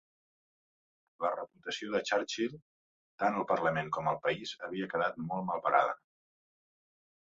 La reputació de Churchill, tant al Parlament com al país, havia quedat molt malparada.